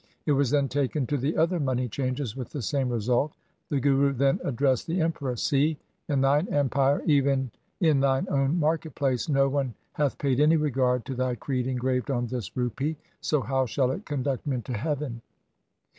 It was then taken to the other money changers with the same result The Guru then addressed the Emperor :' See, in thine empire, even in thine own market place, no one hath paid any regard to thy creed engraved on this rupee, so how shall it conduct men to heaven